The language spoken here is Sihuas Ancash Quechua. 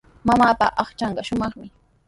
Mamaapa aqchanqa shumaqmi.